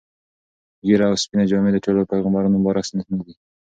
ږیره او سپینې جامې د ټولو پیغمبرانو مبارک سنتونه دي.